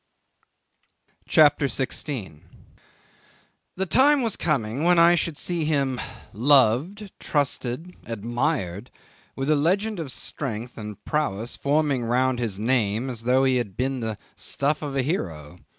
CHAPTER 16 'The time was coming when I should see him loved, trusted, admired, with a legend of strength and prowess forming round his name as though he had been the stuff of a hero.